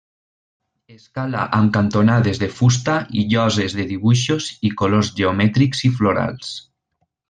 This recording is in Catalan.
Escala amb cantonades de fusta i lloses de dibuixos i colors geomètrics i florals.